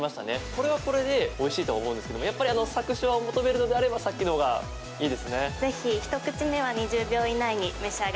これはこれでおいしいと思うんですけどもやっぱり、あのサクシュワを求めるのであればさっきのほうがいいですね。